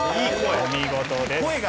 お見事です。